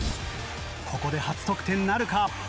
ここで初得点なるか？